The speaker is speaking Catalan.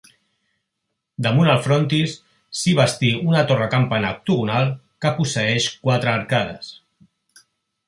Damunt el frontis, s'hi bastí una torre-campanar octogonal, que posseeix quatre arcades.